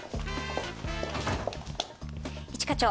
一課長。